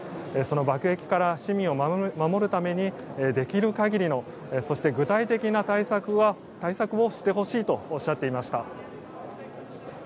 その爆撃から市民を守るためにできる限りの、そして具体的な対策をしてほしいとおっしゃっていました。